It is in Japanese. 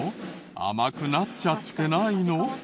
甘くなっちゃってないの？